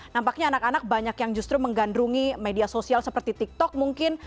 nampaknya anak anak banyak yang justru menggandrungi media sosial seperti tiktok mungkin